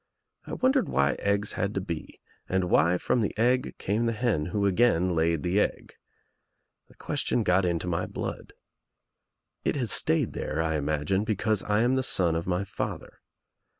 I wondered why eggs had to be and why from the egg came the hen who again laid the egg. The question got into my blood. It has stayed there, I imagine, because I am the son of my father.